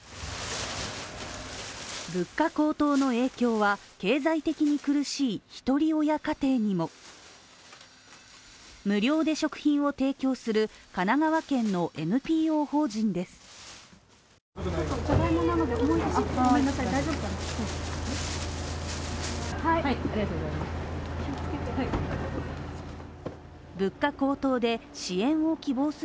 物価高騰の影響は経済的に苦しいひとり親家庭にも無料で食品を提供する神奈川県のＮＰＯ法人です。